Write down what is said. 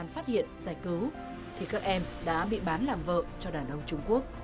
phát hiện giải cứu thì các em đã bị bán làm vợ cho đàn ông trung quốc